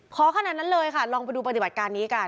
ขนาดนั้นเลยค่ะลองไปดูปฏิบัติการนี้กัน